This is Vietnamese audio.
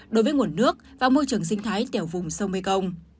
đối với nguồn nước và môi trường sinh thái tiểu vùng sông mê công